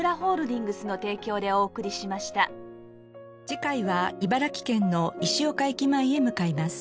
次回は茨城県の石岡駅前へ向かいます。